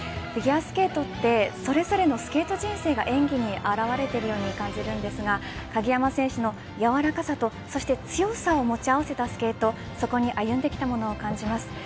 フィギュアスケートってそれぞれのスケート人生が演技に現れているように感じますが鍵山選手のやわらかさとそして強さを持ち合わせたスケートそこに歩んできたもの感じます。